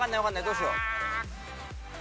どうしよう。